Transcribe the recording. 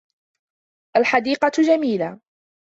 الْحَدِيقَةُ جَمِيلَةٌ.